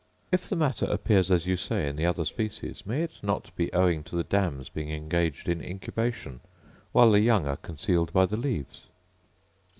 If the matter appears as you say in the other species, may it not be owing to the dams being engaged in incubation, while the young are concealed by the leaves